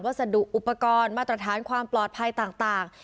สดุอุปกรณ์มาตรฐานความปลอดภัยต่าง